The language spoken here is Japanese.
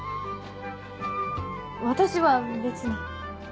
私は別に。